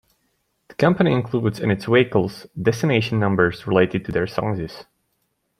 The company includes in its vehicles' designations numbers related to their sizes.